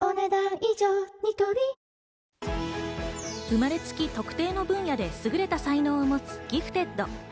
生まれつき、特定の分野で優れた才能を持つギフテッド。